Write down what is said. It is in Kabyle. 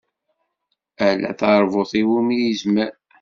Ala taṛbut iwumi izmer.